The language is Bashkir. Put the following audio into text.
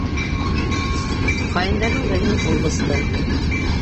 Ҡайындарҙың береһен ул бысты!